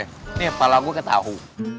ini kepala gue kayak tahu